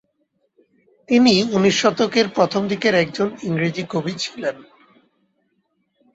তিনি উনিশ শতকের প্রথম দিকের একজন ইংরেজি কবি ছিলেন।